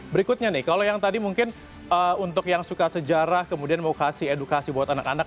berikutnya nih kalau yang tadi mungkin untuk yang suka sejarah kemudian mau kasih edukasi buat anak anak